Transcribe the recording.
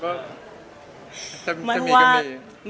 เก๋จะมีโอกาสได้ชุดคู่กับผู้ชายที่สุดของเก๋